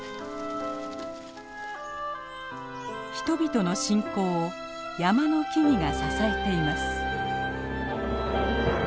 人々の信仰を山の木々が支えています。